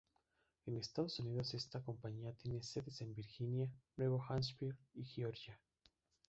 En Estados Unidos esta compañía tiene sedes en Virginia, Nuevo Hampshire y Georgia.